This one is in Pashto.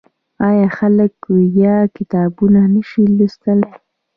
آیا خلک وړیا کتابونه نشي لوستلی؟